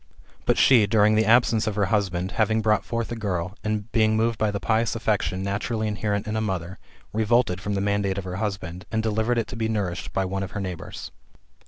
But she, during the absence of her husband, having brought forth a girl, and, being moved by the pious affection naturally inherent in a mother, revolted from the mandate of her husband, and delivered it to be nourished by one of her neighbours.